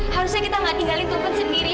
harusnya kita gak tinggalin taufan sendiri